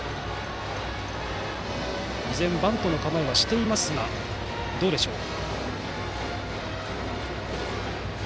依然、バントの構えはしていますがどうでしょう。